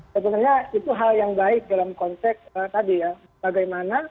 sebetulnya itu hal yang baik dalam konteks tadi ya